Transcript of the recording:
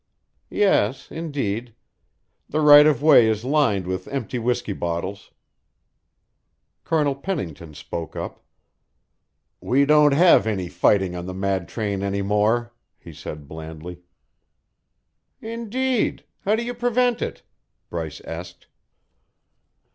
"Yes, indeed. The right of way is lined with empty whiskey bottles." Colonel Pennington spoke up. "We don't have any fighting on the mad train any more," he said blandly. "Indeed! How do you prevent it?" Bryce asked.